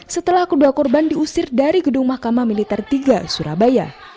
setelah kedua korban diusir dari gedung mahkamah militer tiga surabaya